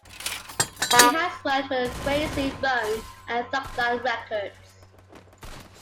He has worked with Krayzie Bone and Thugline Records.